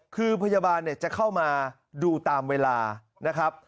คือพยาบาลจะเข้ามาดูตามเวลานะครับ